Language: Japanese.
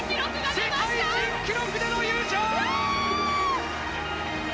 世界記録での優勝！